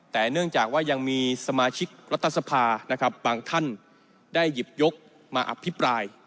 แต่เนื่องจากว่ายังมีสมาชิกรัฐสภานะครับบางท่านได้หยิบยกมาอภิปราย